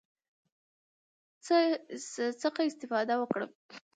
څخه استفاده وکړم،